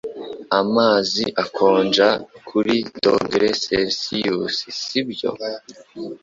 Amazi akonja kuri dogere selisiyusi, sibyo?